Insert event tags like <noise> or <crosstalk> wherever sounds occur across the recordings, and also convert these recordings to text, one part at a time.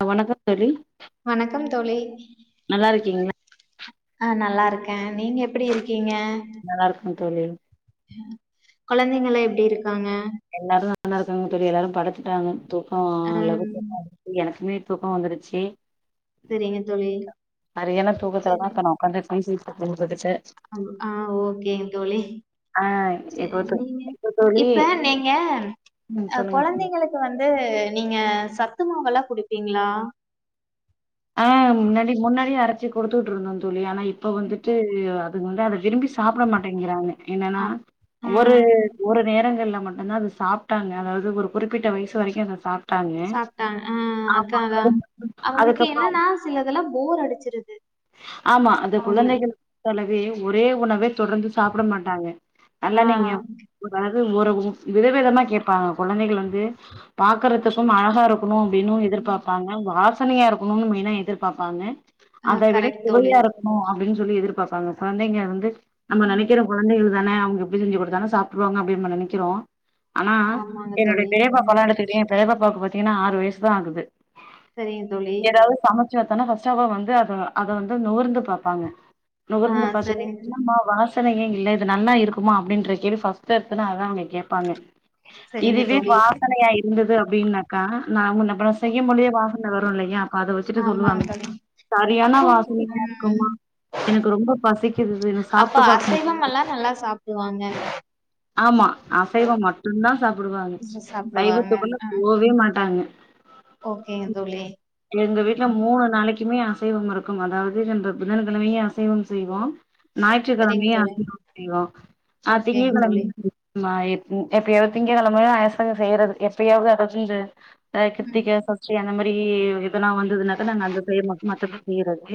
ஆ வணக்கோ தோழி வணக்கம் தோழி நல்லாருக்கீங்ளா? ஆ நல்லா இருக்கே நீங்க எப்டி இருக்கீங்க நல்லா இருக்கே தோழி கொழந்தைங்களா எப்டிருக்காங்க? எல்லாரு நல்லா இருக்காங்க தோழி எல்லாரு படுத்துட்டாங்க தூக்கோ ஆ எனக்குமே தூக்கோ வந்துருச்சு செரிங்க தோழி சரியான தூக்கத்துல தா சரி. இப்ப நா உக்காந்து பேசிட்டு இருக்கே உங்ககிட்ட அம் ஆ ஓகேங் தோழி ஆ சேரி இப்போ தூ நீங்க இப்ப தோழி இப்ப நீங்க ம் அ சொல்லுங்க தோழி கொழந்தைங்களுக் இப்ப வந்து நீங்க சத்து மாவு எல்லா குடுப்பீங்களா ஆ முன்னாடி முன்னாடியே அரச்சி குடுத்துவுட்டுறுனு தோழி ஆனா இப்ப வந்துட்டு அது வந்து அத விரும்பி சாப்ட மாட்டேங்கிறாங்க என்னன்னா அப் ஆ ஒரு ஒரு நேரங்கள்ல மட்டு தா அது சாப்ட்டாங்க அதாவது ஒரு குறிப்பிட்ட வயசு வரைக்கு அத சாப் சாப்ட்டாங்க ஆ அத்தா அதா அவுங்களுக்கு அதுக்கு என்னன்னா சிலதெல்லா போர் அடிச்சிருது ஆமா அந்த அவங்களுக்கு. குழந்தைகள போலவே ஒரே உணவே தொடர்ந்து சாப்ட மாட்டாங்க ஆ நல்லா நீங்க உதாது ஒருவு விதவிதமா கேட்பாங்க கொழந்தைகள் வந்து பாக்குறதுக்கும் அழகா இருக் கனு அப்டின்னு எதிர்பாப்பாங்க வாசனையா இருக்கணும் மெயினா எதிர்பாப்பாங்க ஆ அத விட கரெக்ட் தோழி. ஒலட்னு அப்டின்னு சொல்லி எதிர்பாப்பாங்க கொழந்தங்க வந்து நம்ம நெனைக்கிற கொழந்தைகள் தான அவுங்க ப்ப செஞ்சு குடுத்தாலு சாப்ட்ருவாங்க அப்டி நம்ம நெனைக்கிறோ ஆனா ஆமாங்க என்னோட தோழி. பெரிய பாப்பாலா ம் எடுத்துகிட்டிங்க தேவ பாக் பாத்தீங்கன்னா ஆறு வயசு தான் ஆகுது சரிங்க தோழி. எதாவது சமச் ச்சா தான ஃபஸ்ட்டு அவ வந்து அத அத வந்து நுகர்ந்து பாப்பாங்க ஆ நுகர்ந்து பாத்துட்டு சரிங்க என்னமா வாஸ் ச்சனையே இல்ல இது நல்லா இருக்குமா அப்டின்ற கேள்வி ஃபஸ்ட்டு எடுத்தோன அதா அவுங்க கேட்பாங்க இது சரிங்க இது தோழி. வாசனயா இருந்தது அப்டின்னாக்கா நாங்க முன்ன பலா செய்யுபோலியே வாசன வரு வந்ரு இல்லையா அப்ப அத வச்சுட்டு ஆமாங்க சொல்லுவாங்க தோழி சரியான அப்போ வா ஸ் னையா இருக்குமா ம் எனக்கு ரொம்ப பசிக்குது எனக்கு அப்ப சாப்ட்டு பாக்க முடியல அசைவமெல்லா நல்லா சாப்டுவாங்க ஆமா அசைவம் மட்டுதா சாப்புடுவாங்க சாப்டுவாங்க சைவத்துக்குள்ள ஆ போ போவே மாட்டாங்க ஓகேங்க தோழி எங்க வீட்ல ம் மூணு நாளைக்கு ச்சுமே அசைவம் இருக்கும் அதாவது என்ற புதன்கெழமயு அசைவம் செய்வோம் சரிங்க ஞாயிற்றுக்கெழமயு தோழி அசைவோ செய்வோ ஆ திங்க ஓகேங்க தோழி கெழமயு ம்ம எப் வு எப்பயோ திங்க கெழமயு அசைவ செய்றதுக்கு எப்பயாவது அ வீந்து அ ம் கிருத்திக சஸ்டி அந்த மாரி இதெல்லா வந்ததுனாக்கா நாங்க அந்த செய் மாட் மத்தபடி செய்றது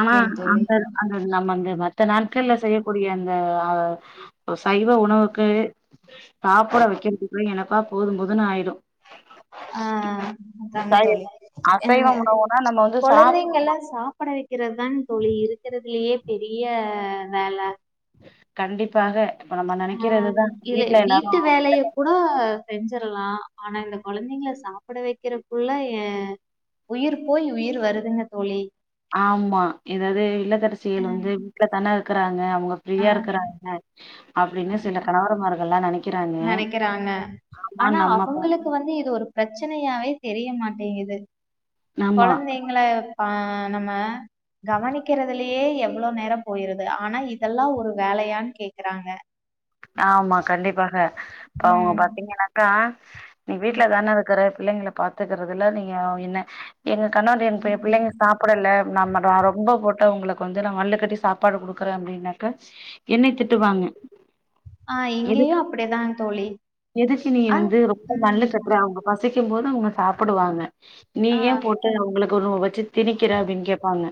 ஆமா தோழி அந்த அந்த நம்ம அந்த மத்த நாட்கள்ல செய்யக்கூடிய அந்த அ ஓ சைவ உணவுக்கு சாப்பட வக்கிறதுக்குள்ளயு எனக்கா போதுபோதுன்னு ஆயிரு ஆ அதாங்க சாயே தோழி அசைவம் உணவுனா நம்ம வந்து சாப்ட இல்ல சாப்பட வக்கிறதுதா தோழி இருக்குறதுலயே பெரிய வேல கண்டிப்பாக இப்ப நம்ம ஆ நெனைக்கிறதுதா இல்ல வீட்ல எல்லாரு வீட்டு வேலைய கூட செஞ்சிற்லா ஆனா இந்த கொழந்தைங்க சாப்பட வக்கிறக்குள்ள ஏ உயிர் போய் உயிர் வருதுங்க தோழி ஆமா எதாவது ஆ இல்லத்தரசிகள் வந்து வீட்ல தான இருக்கிறாங்க அவுங்க ஆ ஃப்ரியா இருக்கிறாங்க அப்டின்னு சில கணவர்மார்கள்ல்லா நெனைக் நெனைக்கிறாங்க ஆனா நம்ம பா அவுங்களுக்கு வந்து இது ஒரு பிரெச்சனயாவே தெரிய மாட்டேங்கிது ஆமா, கொழந்தை ங்கள பா நம்ம கவனிக்கிறதுலயே எவ்ளோ நேரோ போயிருது ஆனா இதெல்லா ஒரு வேலயான் கேக்குறாங்க ஆமா கண்டிப்பாக இப்ப அவுங்க ம். பாத்தீங்கன்னாக்கா நீ வீட்ல தான இருக்குறப் பிள்ளைங்கள பாத்துகிறதுல நீங்க என்ன எங்க கணவர்ட்ட எங்க எ பிள்ளைங்க சாப்பிடல நம்ம நா ரொம்ப போட்டு அவுங்கள கொஞ்ச தா மல்லு கட்டி சாப்பாடு குடுக்குறே அப்டின்னாக்க என்னைய திட்டுவாங்க ஆ எது இங்கேயும் அப்படிதான் தோழி. எதுக்கு நீ ஆ வந்து ரொம்ப மல்லு ம். கட்டுற பசிக்கும் போது அவங்க சாப்பிடுவாங்க நீ ஆ ஏன் போட்டு அவங்களுக்கு ஒரு வச்சி திணிக்கிற அப்படின்னு கேட்பாங்க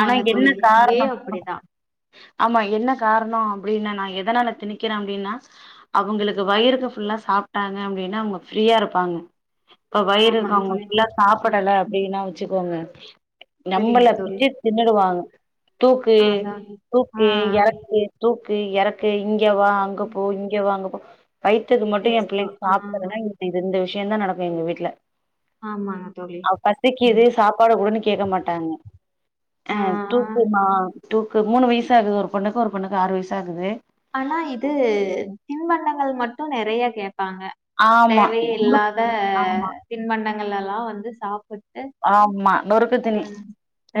ஆனா என்ன தோழி. இங்கேயும் காரணம் அப்படிதான். ஆமா என்ன காரணம் அப்படின்ன நா எதனால திணிக்கிற அப்படின்னா அவங்களுக்கு வயிறுக்கு ஃபுல்லா சாப்பிட்டாங்க அப்படின்னா அவங்க ஃப்ரீயா இருப்பாங்க இப்ப வயிறு ஆமாங்க இருக்கவங்க தோழி. ஃபுல்லா ம். சாப்பிடல அப்படின்னா வச்சுக்கோங்க நம்மள சரிங்க தோழி. பிச்சு தின்னுடுவாங்க தூக்கு ஆ அதான். ஆ தூக்கு இறக்கு தூக்கு இறக்கு இங்க வா அங்க போ இங்க வா அங்க போ வைத்தக்கு மட்டும் எ எஸ் தோ பிள்ளைை ஆ சாப்பிட்டறதுன்னா இந்த ரெண்டு விஷயம தா நடக்கும் எங்க வீட்டுல ஆமாங்க தோழி அவ ம். பசிக்குது சாப்பாடு கூடன்னு கேக்க மாட்டாங்க ஆ தூக்குமா தூக்கு மூணு வயசு ஆகுது ஒரு பொண்ணுக்கு ஒரு பொண்ணுக்கு ஆறு வயச ஆகுது ஆனா இது தின்பண்டங்கள் மட்டும் நிறைய கேட்பாங்க ஆமா தேவ இல்லாத ஆமா தின்பண்டங்கள் எல்லாம் வந்து சாப்பட்டு ஆமா நொறுக்கு திணி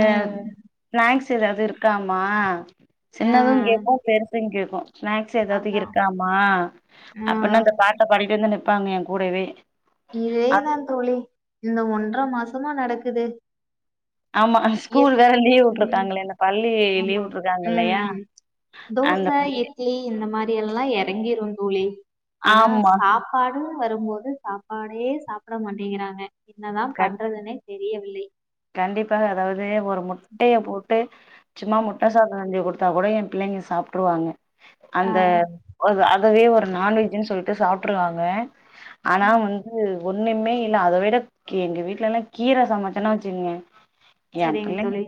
ஆ ம் ஸ்நாக்ஸ் ஏதாவது இருக்காமா ஆ சின்னதும் கேட்கு பெருசு கேட்கும் ஸ்நாக்ஸ் ஏதாவது அதா இருக்காமா ஆ அப்படின்னு அந்த பாட்டு பாடிட்டு வந்து நிறப்பாங்க எ கூடவே ஆ இதேதா தோழி இந்த ஒன்றர மாசமா நடக்குது ஆமா ஸ்கூல் வேற லீவ் எப்- விட்டுருக்காங்களா இந்த பள்ளி லீவ் ஆமா விட்டுருக்காங்க இல்லையா ம் தோச அந்த பள்ளி இட்லி இந்த மாதிரி எல்லாம் இறங்கிரு தோழி ஆனா ஆமா சாப்ப பாடும் வரும்போது சாப்பாடே சாப்பிட மாட்டேங்கிறாங்க என்னதா பண்றதுன்னே தெரியவில்லை கண்டிப்பா அதாவது ஒரு முட்டைய போட்டு சும்மா முட்ட சாப் செஞ்சு குடுத்தா கூட ஏ பிள்ளைங்க சாப்ட்ருவாங்க ஆ அந்த அதவே ஒரு நான் வெஜ்ன்னு சொல்ட்டு சாப்ட்டுருவாங்க ஆனா வந்து ஒன்னுமே இல்ல அத விட கெ எங்க வீட்லலா கீர சமைச்சனா வச் ங்க ஏ சரிங்க பிள்ளைஙக தோழி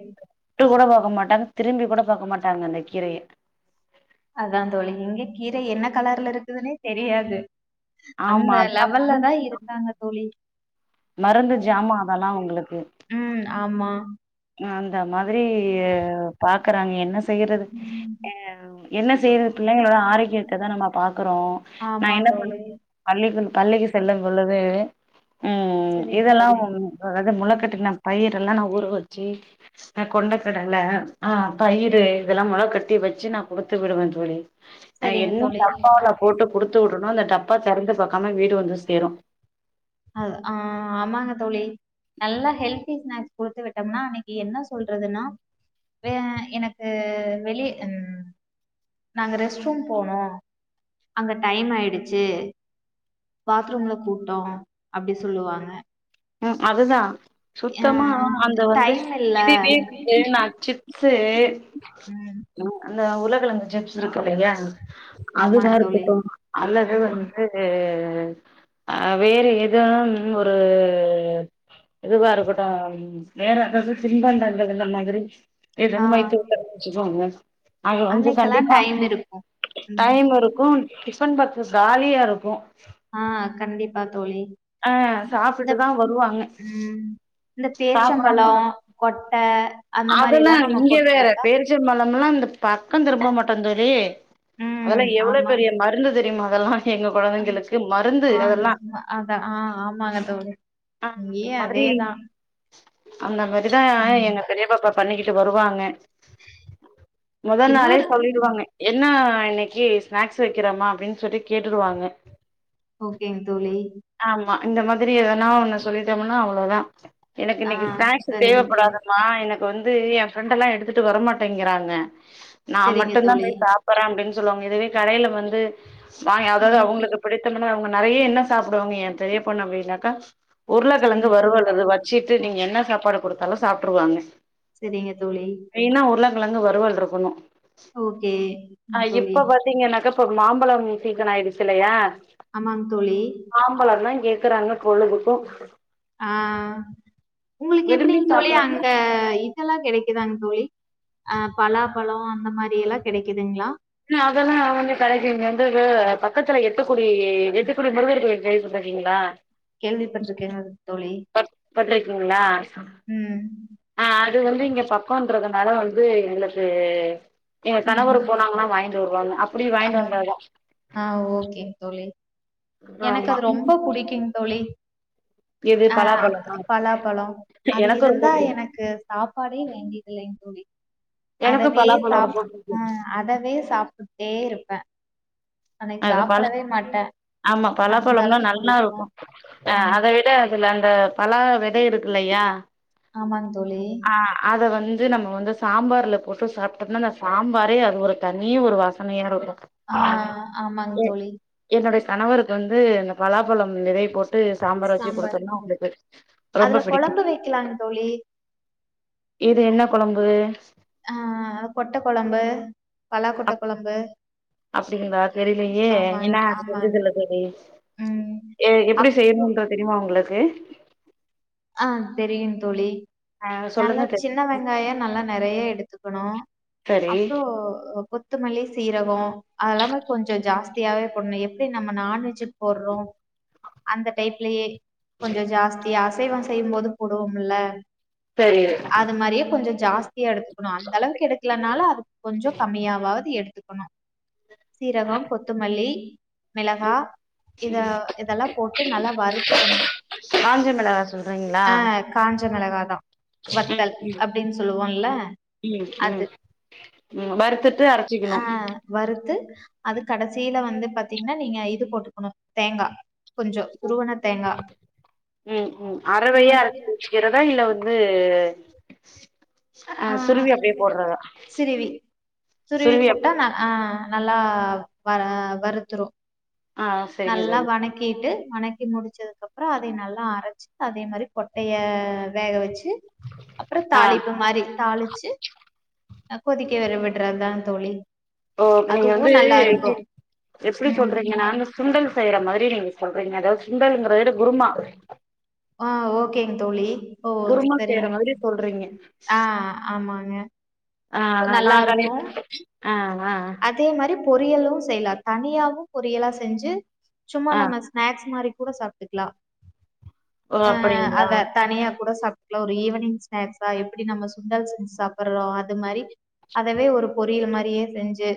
தொட்டு கூட பாக்கமாட்டாங்க திரும்பி கூட பாக்க மாட்டாங்க அந்த கீரய அதா தோழி இங்க கீர என்ன கலர்ல இருக்குதுனே தெரியாது அந்த ஆமா அதெல்லா லெவல்ல மருந்து தா இருக்காங்க தோழி மருந்து ஜாமா அதெல்லா அவுங்களுக்கு ம் ஆமா அந்த மாதிரி பாக்குறாங்க என்ன செய்யறது ஆ என்ன செய்யறது பிள்ளைங்களோட ஆரோக்கியத்ததா நம்ம பாக்குறோ நா ஆமா என்ன பன்ன தோழி. பள்ளிக்கு பள்ளிக்கு செல்லு பொழுது ம் சரிங்க இதெல்லா தோழி. அதாவது முளக்கட்டின பயிரல்லா நா ஊற வச்சு அ கொண்ட கடல ஆ பயிரு இதெல்லா மொள கட்டி வச்சு நா குடுத்து விடுவே தோழி அ சரிங்க என்ன தோழி. டப்பாவுல போட்டு குடுத்து உட்றனோ அந்த டப்பா தெறந்து பாக்காம வீடு வந்து சேரு அது ஆ ஆமாங்க தோழி நல்லா ஹெல்திஸ்நாக்ஸ் குடுத்து விட்டோமுனா அன்னக்கி என்ன சொல்றதுன்னா வே எனக்கு வெளியே ம் நாங்க ரெஸ்ட் ரூம் போனோ அங்க டைம் ஆயிடுச்சி பாத்ரூம்ல கூட்டொ அப்டி சொல்லுவாங்க ம் அதுதா அ சுத்தமா அந்த வந்து டைம் இல்ல. இதுவே வந்து நா சிப்ஸு ம் அந்த உர்லகெழங்கு ஜிப்ஸ் இருக்குல்லையா அதுவா ஆமாங்க தோழி. இருக்கட்டு அல்லது ம். வந்து து அ வேறு எதோ ஒரு து இதுவா இருக்கட்டு வேற ஏதாது தின்பண்டங்கள் அந்த மாதிரி நீ ஆ. தான்மா வைத்து விட்டு அப்டி சொல்வாங்க அது வந்து அன்னைக்கெல்லாம் கண்டிப்பா டைம் இருக்கும். டைம் ம். இருக்கு டிபன் பாக்ஸு காலியா இருக்கு ஆ கண்டிப்பா தோழி அ இந்த சாப்புட்டுதா வருவாங்க ம் இந்த பேர்ச்சம்பழோ சாப்டாம கொட்ட அந்த மாரியெல்லா நம்ம போட் குடுத்தா ச்ச பழமெல்லா இந்த பக்கோ திரும்ப மாட்டே தோழி ம் அதெல்லா எவ்ளோ ஆமா. பெரிய மர் மருந்து தெரியுமா அதெல்லா எங்க கொழந்தைங்களுக்கு மருந்து அதெல்லா அத ஆ ஆமாங்க தோழி ஆ அந்த இங்கேயும் மாதிரி அதேதான். அந்த மாரிதா எங்க பெரிய பாப்பா பன்னிக்கிட்டு வருவாங்க மொத நாளே இன்னொரு சொல்லிடுவாங்க என்னா இன்னைக்கி ஸ்நாக்ஸ் வெக்கிறமா அப்டின் சொல்லி கேட்டுருவாங்க ஓகேங்க தோழி ஆமா இந்த மாதிரி எதனா ஒன்ன சொல்லிட்டேமுனா அவ்ளோதா எனக்கு ஆ இன்னைக்கி ஸநாக்ஸ் சரிங்க தோழி. தேவப்படாது மா எனக்கு வந்து எ ஃப்ரெண்டெல்லா எடுத்துட்டு வர மாட்டேங்கிறாங்க நா சரிங்க மட்டுந்தா தோழி. போய் சாப் பறே அப்டின் சொல்லுவாங்க இதுவே கடைல வந்து வாய்ங் அதாது ம் அவுங்களுக்கு பிடித்தமான அவுங்க நெறைய என்ன சாப் டுவாங்க ஏ பெரிய பொண்ணு அப்டினாக்கா உருள கெழங்கு சரிங்க தோழி. வருவல் அது வச் சிட்டு நீங்க என்ன சாப்பாடு குடுத்தாலு சாப்ட்டுருவாங்க செரிங்க தோழி மெய்னா உருளக் கெழங்கு வறுவல் இருக்கனு ஓகே அ ம் இப்ப தோழி. பாத் பத்தீங்கன்னாக்கா இப்ப ஒரு மாம்பழம் சீசன் ஆயிடுச்சில்லையா அமாங் தோழி மாம்பழம் தா கேக்குறாங்க கொழுதுக்கு அ உங்களுக்கு விரும்பி எப்டிங் தோழி சாப்பற அங்க எல்லாம் கெடைக்குதாங் தோழி அ பலாபழோ அந்த மாரி எல்லா கெடைக்குதுங்ளா அதெல்லா வந்து கடைசில வந்து கொ பக்கத்துல எட்டுக்குடி எட்டு குடி முருகர் கோயில் பிளேஸ் பாத்தீங்ளா கேள்வி பட்ருக்கே அது பட் பட்ருக்கீங்ளாஅ ம். அது வந்து இங்க பக் கோன்றதுனால வந்து எங்களுக்கு எங்க கணவர் ம். போனாங்கனா வாய்ன்ட்டு வருவாங்க அப்டி ஆ. வய்ன்ட்டு வந்தா தா ஆ ஓகேங் தோழி எனக்கு ஆமா அது ரொம்ப புடிக்குங் தோழி எது அ பலாப்பழமா பலாபழோ அது எனக்கு ரொம்ப இருந்தா புடிக்கு எனக்கு சாப்பாடே வேண்டியதில்லைங் தோழி எனக்கு அதவே பலாப்பழோ சாப் ரொம்ப புடிக்கு ஆ அதவே சாப்ட்டுட்டே இருப்பே அது பழா மாட்டேன். ஆமா அந்த பழாப்பழம் லா அளவுக்கு நல்லா இருக்கு புடிக்கும். அ ம். அதை விட அதல அந்த பழா வெத இருக்குல்லையா ஆமாங் தோழி அ அத வந்து நம்ம வந்து சாம்பார்ல போட்டு சாப்ட்டம்னா அந்த சாம்பாரே அது ஒரு தனிய ஒரு வாஸ் சனையாருக்கு ஆ ஆமாங் தோழி என்னுடைய கணவருக்கு வந்து இந்த பலாபழம் நெறை போட் டு சாம்பார் வச்சு குடுத்தோம்னா அவங்ளுக்கு ரொம்ப பிடிக்கு க்லாம் தோழி இது என்ன கொழம்பு ஆ கொட்ட குழம்பு பலா கொட்ட அப் கொழம்பு அப்டிங்களா தெரிலையே ஏன்னா அது ஆமாங்க. செஞ்சதுல்ல தோழி ம். எ எப்டி அப் செய்யணுன்ற தெரியுமா உங்களுக்கு ஆ தெரியும் தோழி ஆ நல்லா சொல்லுங்க தோழி சின்ன வெங்காயம் நல்லா நெறையா எடுத்துக்கணு சரி அப்புறோ கொத்தமல்லி சீரகொ அதெல்லாமே கொஞ்சொ ஜாஸ் தியாவை போடுனு எப்டி நம்ம நான்வெஜுக்கு போடுறோ அந்த டைப்லயே கொஞ்சோ ஜாஸ்தியா அசைவம் செய்யும் போது போடுவோம்ல சரி அ து மாரியே கொஞ்சொ ஜாஸ்தியா எடுத்துக்கணு அந்த அளவுக்கு எடுக்கலனாலு அது கொஞ்சொ கம்மியாவாது எடுத்து துக்கணு சீரகம் கொத்தமல்லி மிளகா ம் இத இதெல்லா போட்டு நல்லா வறுத்துக்கணு காஞ்ச மெளகா சொல்றீங்ளா ஆ காஞ்ச மெளகாதா வத்தல் ம் அப்டின்னு சொல்லுவோல்ல ம் அது ம் ம் வறுத்துட்டு அரச்சிக்கணு ஆ வறுத்து அது கடசில வந்து பாத்தீங்கன்னா நீங்க இது போட்டுக்கணு தேங்கா கொஞ்சொ துருவுன தேங்கா ம் ம் அறவையே துருவன அரைச்சி வச்சிக்கிறதா இல்ல வந்து ஆ சுருவி அப்டியே போட்றதா சிறுவி சுருவி போட்டா ந ஆ நல்லா வ வறுத்துரு ஆ சரிங்க நல்லா தோழி வணக் கிட்டு வணக்கி முடிச்சதுக்கப்பறோ அதை நல்லா அரச்சி அதே மாரி கொட்டைய வேக வச்சு அப்றோ ஆ தாளிப்பு மாரி தாளிச்சு அ கொதிக்க வேற விட்றதா தோழி ஓ இப்ப நீங்க அதுவு வந்து நல்லா இருக்கு எப்டி எப்டி ம் சொல்றீங்கனா சுண்டல் செய்யற மாதிரி நீங்க சொல்றீங்க அதாவ்து சுண்டல்ங்கிறத வுட குருமா ஆ ஓகேங் தோழி ஓ குருமா செய்யுற சரிங் மாதிரி சொல்றீங்க ஆ ஆமாங்க ஆ நா நல்லா இருக்கும் <unintelligible> ஆ ஆ அதே மாரி பொரியலு செய்யலா தனியாவு பொரியலா செஞ்சு சும்மா ஆ நம்ம ஸ்நாக்ஸ் மாரி கூட சாப்ட்டுக்கலா ஓ அ அப்படிங்களா அத தனியா கூட சாப் டுக்லா ஒரு ஈவினிங் ஸ்நாக்ஸ்ஸா எப்டி நம்ம சுண்டல் செஞ்சு சாப்புடுறோ அது மாரி அதவே ஒரு பொரியல் மாரியே செஞ்சு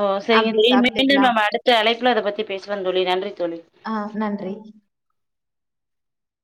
ஓ செரிங்க அப்டி தோழி மீண்டும் சாப்ட்டுக்கலா நம்ம அடுத்த அழைப்புல இத பத்தி பேசலாம் தோழி நன்றி தோழி ஆ நன்றி